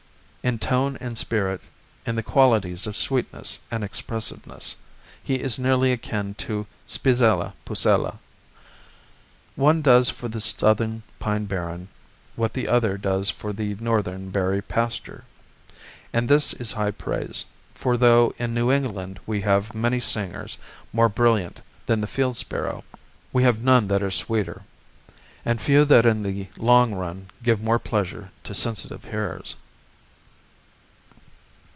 In tone and spirit, in the qualities of sweetness and expressiveness, he is nearly akin to Spizella pusilla. One does for the Southern pine barren what the other does for the Northern berry pasture. And this is high praise; for though in New England we have many singers more brilliant than the field sparrow, we have none that are sweeter, and few that in the long run give more pleasure to sensitive hearers.